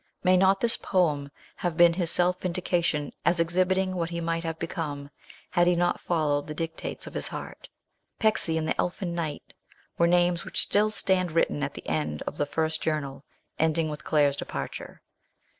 May not this poem have been his self vindication as exhibiting what he might have become had he not fol lowed the dictates of his heart ?*' Pecksie " and the " Elfin Knight" were the names which still stand written at the 'end of the first journal, ending with Claire's departure.